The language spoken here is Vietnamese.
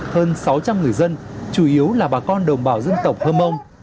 hơn sáu trăm linh người dân chủ yếu là bà con đồng bào dân tộc hơm âu